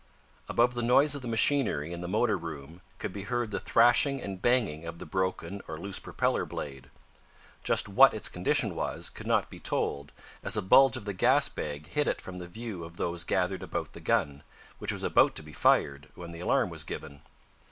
Above the noise of the machinery in the motor room could be heard the thrashing and banging of the broken or loose propeller blade. Just what its condition was, could not be told, as a bulge of the gas bag hid it from the view of those gathered about the gun, which was about to be fired when the alarm was given.